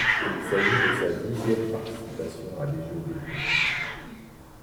Il s'agit de sa dixième participation à des Jeux d'été.